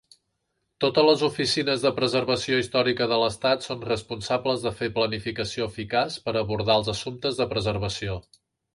Totes les oficines de preservació històrica de l'estat són responsables de fer planificació eficaç per abordar els assumptes de preservació.